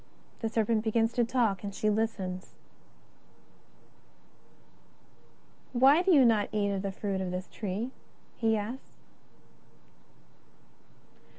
The serpent begins to talk and she listens :" Why do you not eat of the fruit of this tree ?" he asks.